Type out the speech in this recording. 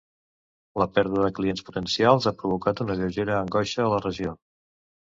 La pèrdua de clients potencials ha provocat una lleugera angoixa a la regió.